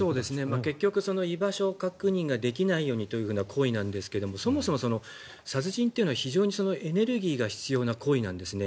結局居場所確認ができないようにという行為なんですがそもそも殺人というのは非常にエネルギーが必要な行為なんですね。